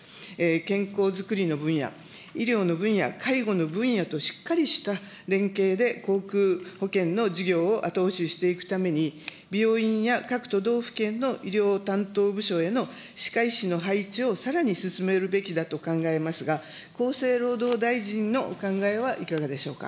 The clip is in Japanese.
健康づくりの分野、医療の分野、介護の分野と、しっかりした連携で口腔保険の事業を後押ししていくために、病院や各都道府県の医療担当部署への歯科医師の配置をさらに進めるべきだと考えますが、厚生労働大臣のお考えはいかがでしょうか。